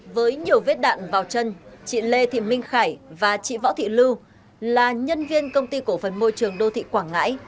với nhiều vết đạn vào chân chị lê thị minh khải và chị võ thị lưu là nhân viên công ty cổ phần môi trường đô thị quảng ngãi